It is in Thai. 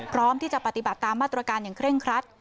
พร้อมที่จะปฏิบัติตามมาตรการอย่างเคร่งครัด